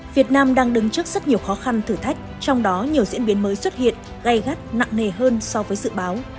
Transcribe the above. việt nam đang đứng trước rất nhiều khó khăn thử thách trong đó nhiều diễn biến mới xuất hiện gây gắt nặng nề hơn so với dự báo